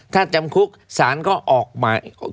ถ้าจำคุกสารก็ออกหมาย